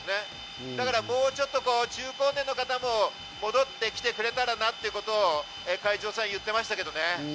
ですから中高年の方が戻ってきてくれたらなということを会長さん言ってましたけどね。